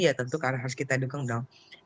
ya tentu harus kita dukung dong